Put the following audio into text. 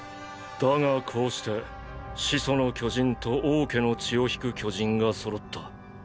だがこうして「始祖の巨人」と「王家の血」を引く巨人が揃った。